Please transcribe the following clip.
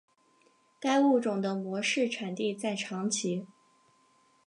该物种的模式产地在长崎。